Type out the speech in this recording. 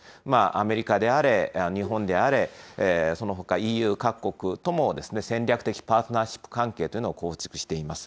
アメリカであれ、日本であれ、そのほかＥＵ各国とも戦略的パートナーシップ関係というのを構築しています。